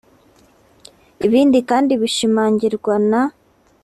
ibi kandi bishimangirwa na